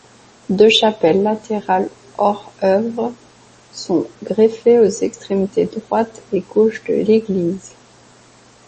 Deux chapelles latérales hors-œuvres sont greffées aux extrémités droite et gauche de l’église.